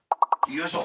よいしょ！